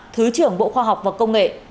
thứ trưởng bộ khoa học và công nghệ